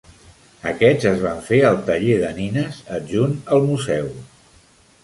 Aquests es van fer al taller de nines adjunt al museu.